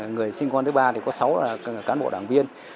người sinh con thứ ba thì có sáu cán bộ đảng viên